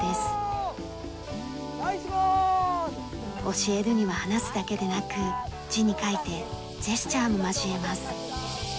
教えるには話すだけでなく字に書いてジェスチャーも交えます。